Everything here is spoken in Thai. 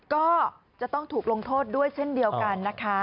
ก็จะต้องถูกลงโทษด้วยเช่นเดียวกันนะคะ